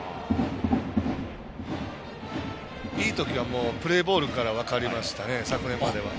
いいときはプレーボールから分かりましたね、昨年までは。